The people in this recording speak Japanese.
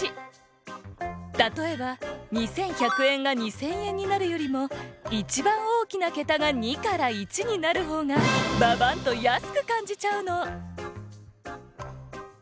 たとえば２１００円が２０００円になるよりもいちばんおおきなけたが２から１になるほうがババンとやすくかんじちゃうの。